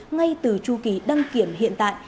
ngay từ chu kỳ đăng kiểm hiện tại